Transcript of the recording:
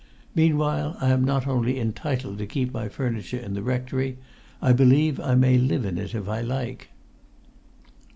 Meanwhile I am not only entitled to keep my furniture in the rectory. I believe I may live in it if I like."